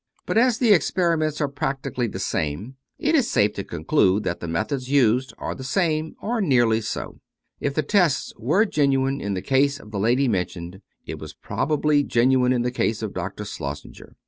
But as the experiments are practically the same, it is safe to conclude that the methods used are the same, or nearly so. If the test were genuine in the case of the lady mentioned, it was probably genuine in the case of Dr. Schlossenger.